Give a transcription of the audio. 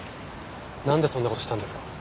なんでそんな事したんですか？